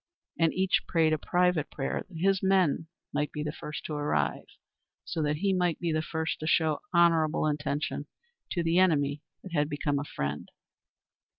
And each prayed a private prayer that his men might be the first to arrive, so that he might be the first to show honourable attention to the enemy that had become a friend.